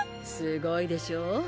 すごいでしょう？